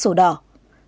xài phạm kéo dài nhiều năm